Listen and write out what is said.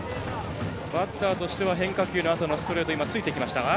バッターとしては変化球のあとのストレートついてきましたが。